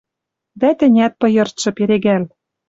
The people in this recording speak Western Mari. Дӓ тӹнят пыйыртшы перегӓл.